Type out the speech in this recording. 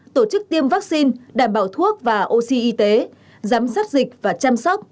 tổ chức tiêm vaccine đảm bảo thuốc và oxy y tế giám sát dịch và chăm sóc